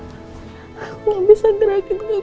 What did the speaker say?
aku tidak bisa ngeragin kaki aku mama